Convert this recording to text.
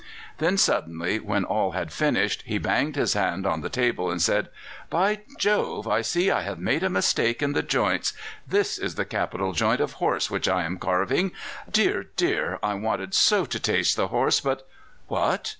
Then suddenly, when all had finished, he banged his hand on the table, and said: "By Jove! I see I have made a mistake in the joints. This is the capital joint of horse which I am carving! Dear! dear! I wanted so to taste the horse, but what!